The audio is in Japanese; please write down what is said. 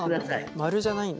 丸じゃないんだ。